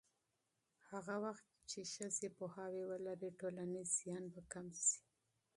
هغه مهال چې ښځې پوهاوی ولري، ټولنیز زیان به کم شي.